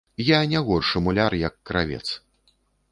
Я не горшы муляр, як кравец.